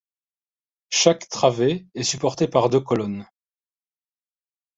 Chaque travée est supportée par deux colonnes.